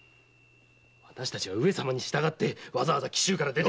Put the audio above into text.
私たちは上様に従ってわざわざ紀州から出て。